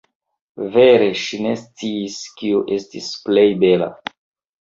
Vere, ŝi ne sciis, kio estis plej bela.